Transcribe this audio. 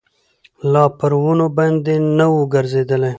لا پر ونو باندي نه ووګرځېدلی